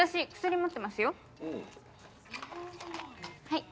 はい。